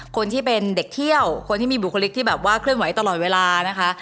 คนที่เป็นเด็กเที่ยวคนที่มีบุคลิกที่แบบว่าเคลื่อนไหวตลอดเวลานะคะ